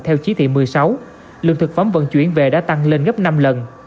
theo chỉ thị một mươi sáu lượng thực phẩm vận chuyển về đã tăng lên gấp năm lần